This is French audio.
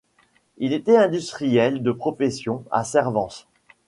Il était industriel de profession, à Servance.